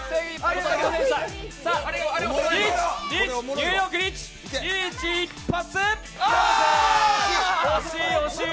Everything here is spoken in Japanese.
ニューヨーク、リーチ一発？